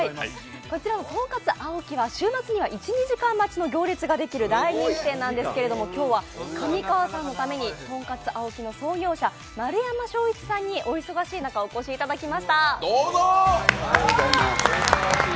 とんかつ檍は週末には１２時間待ちの行列ができる大人気店なんですけど今日は上川さんのためにとんかつ檍の創業者、丸山正一さんにお忙しい中、お越しいただきました。